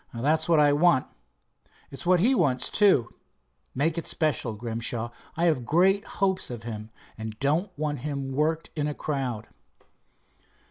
"That's what I want. It's what he wants, too. Make it special, Grimshaw. I've great hopes of him, and don't want him worked in a crowd."